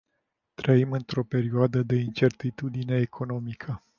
Trăim într-o perioadă de incertitudine economică.